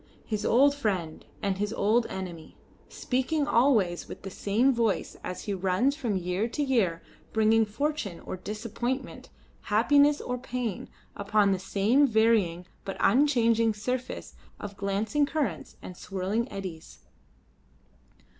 His old friend and his old enemy, speaking always with the same voice as he runs from year to year bringing fortune or disappointment happiness or pain, upon the same varying but unchanged surface of glancing currents and swirling eddies.